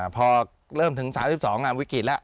พอเริ่มถึง๓๒วิกฤตแล้ว